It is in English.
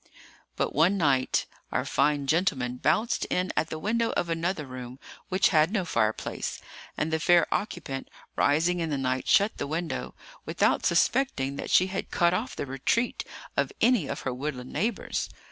But one night our fine gentleman bounced in at the window of another room, which had no fireplace; and the fair occupant, rising in the night, shut the window, without suspecting that she had cut off the retreat of any of her woodland neighbours.